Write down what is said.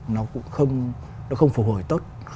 nó cũng không phục hồi tốt